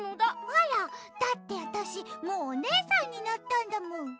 あら？だってわたしもうおねえさんになったんだもん。